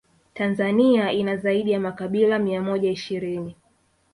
Tanzania ina zaidi ya makabila mia moja ishirini